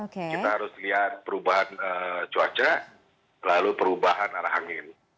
kita harus lihat perubahan cuaca lalu perubahan arah angin